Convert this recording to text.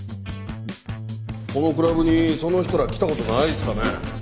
このクラブにその人ら来たことないっすかね？